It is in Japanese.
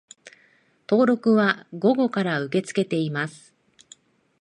登録は午後から受け付けています